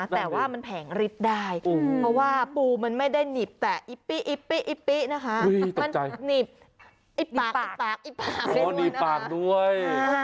แต่โหโหโห้ย